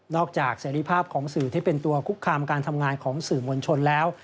จากเสรีภาพของสื่อที่เป็นตัวคุกคามการทำงานของสื่อมวลชนแล้ว